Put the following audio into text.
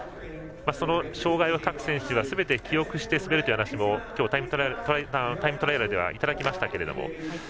その障害を各選手がすべて記憶して滑るという話もきょうタイムトライアルではいただきましたけど。